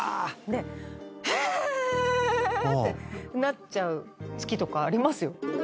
え⁉ってなっちゃう月とかありますよ。